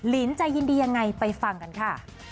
ลินจะยินดียังไงไปฟังกันค่ะ